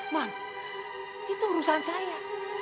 mam itu urusan saya